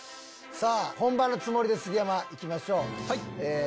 さぁ本番のつもりで杉山行きましょう。